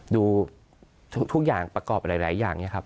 ดูทุกอย่างประกอบหลายอย่างนี้ครับ